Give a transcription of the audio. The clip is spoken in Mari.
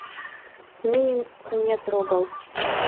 Минь не трогал...